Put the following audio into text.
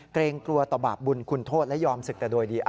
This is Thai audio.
เกรงกลัวต่อบาปบุญคุณโทษและยอมศึกแต่โดยดี